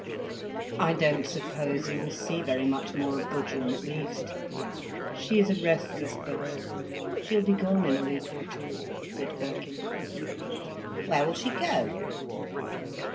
"I don't suppose you will see very much more of Gudrun, at least. She is a restless bird, she'll be gone in a week or two," said Birkin. "Where will she go?"